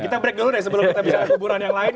kita break dulu deh sebelum kita bicara kuburan yang lain